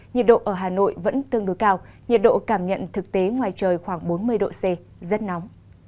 nhiệt độ ở hà nội vẫn tương đối cao nhiệt độ cảm nhận thực tế ngoài trời khoảng bốn mươi độ c rất nóng